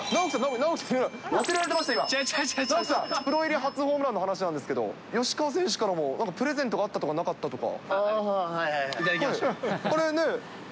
尚輝さん、プロ入り初ホームランの話なんですけど、吉川選手からも、なんかプレゼントがあったとかなかったとか。